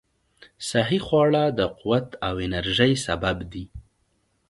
صحي خواړه د قوت او انرژۍ سبب دي.